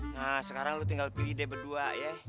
nah sekarang lu tinggal pilih deh berdua ya